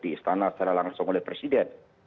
di istana secara langsung oleh presiden